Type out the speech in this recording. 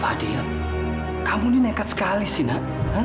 adil kamu ini nekat sekali sih nak